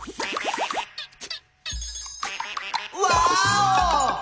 ワーオ！